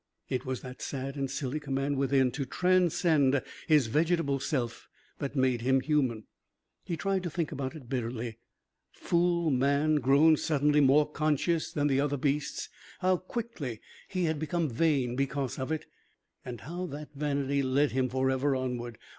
It was that sad and silly command within to transcend his vegetable self that made him human. He tried to think about it bitterly: fool man, grown suddenly more conscious than the other beasts how quickly he had become vain because of it and how that vanity led him forever onward!